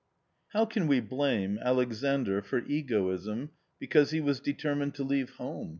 How can we blame Alexandr for egoism, because he was determined to leave Tiome?